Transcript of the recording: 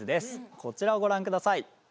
こちらをご覧ください。